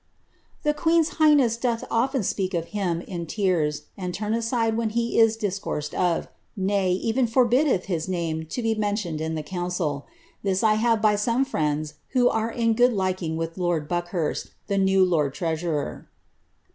''' The queen's highness doth often speak of him in tears, and turn aside when he is discoursed of, nay, even forbiddeUi hit name to be mentioned in the council. This I have by some frieniis who are in good liking with lord Buckhurst, the new lord treasurer."